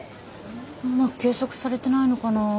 うまく計測されてないのかな。